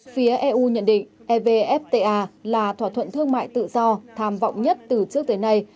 phía eu nhận định evfta là thỏa thuận thương mại tự do tham vọng nhất từ trước tới nay